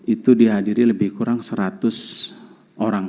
itu dihadiri lebih kurang seratus orang